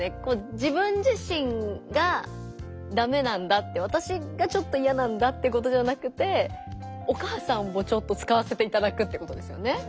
自分自身がダメなんだってわたしがちょっといやなんだってことじゃなくてお母さんもちょっと使わせていただくってことですよね。